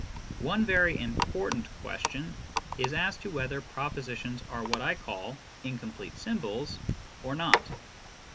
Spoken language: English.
One very important question is as to whether propositions are what I call " incomplete symbols " or not.